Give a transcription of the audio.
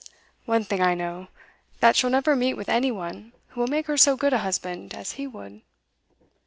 One thing I know, that she'll never meet with any one who will make her so good a husband as he would.